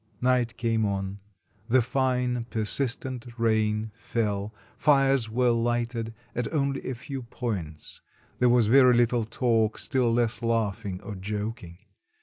Night came on, the fine, persistent rain fell, fires were lighted at only a few points, there was very little talk, still less laughing or joking.